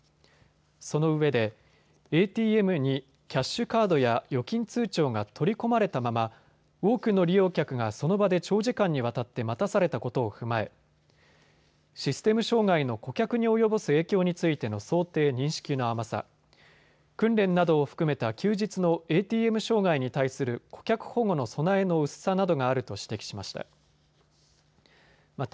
そのうえでＡＴＭにキャッシュカードや預金通帳が取り込まれたまま多くの利用客がその場で長時間にわたって待たされたことを踏まえシステム障害の顧客に及ぼす影響についての想定・認識の甘さ、訓練などを含めた休日のＡＴＭ障害に対する、顧客保護の備えの薄さなどがあると指摘しました。